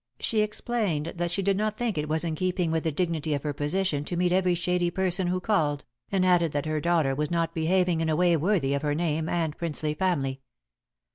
She explained that she did not think it was in keeping with the dignity of her position to meet every shady person who called, and added that her daughter was not behaving in a way worthy of her name and princely family.